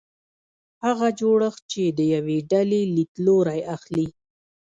هغه جوړښت چې د یوې ډلې لیدلوری اخلي.